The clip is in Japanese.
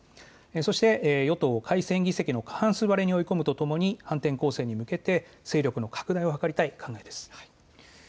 そして、与党を改選議席の過半数割れに反転攻勢に向けて勢力の拡大を図りたい考えです。